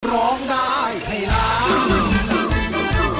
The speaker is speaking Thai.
ร้องได้ให้ล้าน